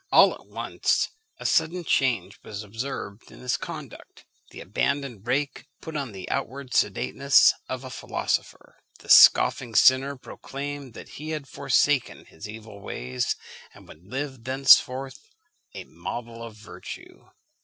All at once a sudden change was observed in his conduct. The abandoned rake put on the outward sedateness of a philosopher; the scoffing sinner proclaimed that he had forsaken his evil ways, and would live thenceforth a model of virtue.